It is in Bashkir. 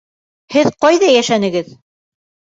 — Һеҙ ҡайҙа йәшәнегеҙ?